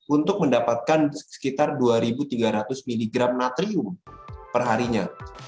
untuk mendapatkan sekitar dua tiga ratus miligram natrium perharinya